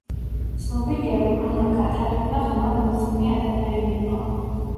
ცნობილია, რომ ანა კათარინა ღრმად მორწმუნე ადამიანი იყო.